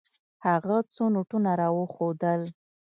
هغه څو نوټونه راوښودل.